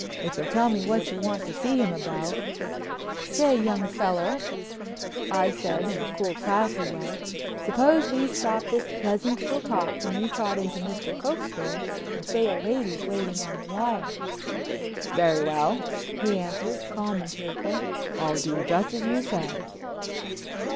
If you'll tell me what you want to see him about——" "Say, young feller," said I, in a cool, classy way, "suppose we stop this pleasant little talk, and you trot into Mr. Cokesbury and say a lady's waiting on the wire." "Very well," he answered, calm and cheerful, "I'll do just as you say."